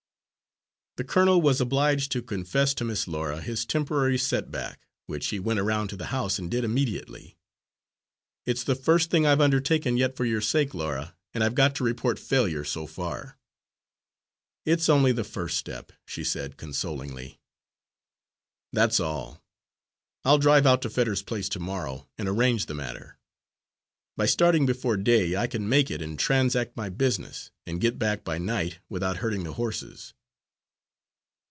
The colonel was obliged to confess to Miss Laura his temporary setback, which he went around to the house and did immediately. "It's the first thing I've undertaken yet for your sake, Laura, and I've got to report failure, so far." "It's only the first step," she said, consolingly. "That's all. I'll drive out to Fetters's place to morrow, and arrange the matter. By starting before day, I can make it and transact my business, and get back by night, without hurting the horses."